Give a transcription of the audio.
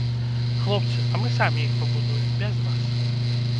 Хлопцы, а мы самі іх пабудуем, без вас.